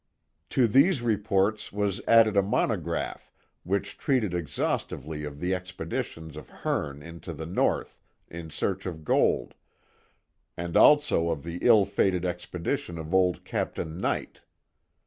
To these reports was added a monograph which treated exhaustively of the expeditions of Hearne into the North in search of gold, and also of the illfated expedition of old Captain Knight.